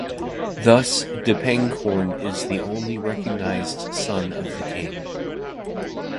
Thus, Dipangkorn is the only recognised son of the king.